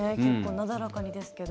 なだらかにですけど。